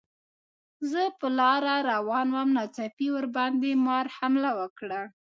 زه په لاره روان وم، ناڅاپي راباندې مار حمله وکړه.